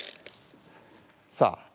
さあ